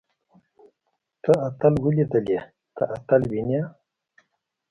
تۀ اتل وليدلې. ته اتل وينې؟